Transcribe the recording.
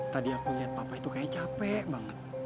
tadi aku lihat papa itu kayaknya capek banget